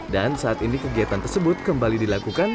dan saat ini kegiatan tersebut kembali dilakukan